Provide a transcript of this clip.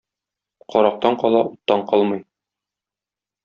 Карактан кала, уттан калмый.